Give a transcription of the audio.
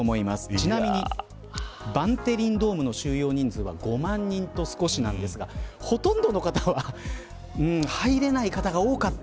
ちなみにバンテリンドームの収容人数は５万人と少しなんですがほとんどの方は入れない方が多かった。